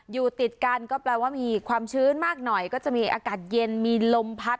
อยู่ติดกันก็แปลว่ามีความชื้นมากหน่อยก็จะมีอากาศเย็นมีลมพัด